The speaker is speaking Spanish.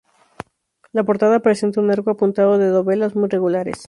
La portada presenta un arco apuntado de dovelas muy regulares.